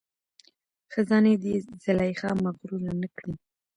خزانې دي زلیخا مغروره نه کړي